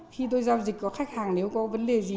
khi tôi giao dịch có khách hàng nếu có vấn đề gì